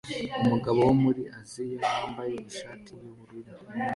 Umugabo wo muri Aziya wambaye ishati yubururu